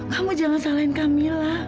kamu jangan salahin kamila